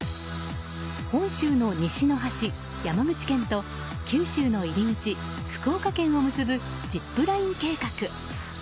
本州の西の端・山口県と九州の入り口・福岡県を結ぶジップライン計画。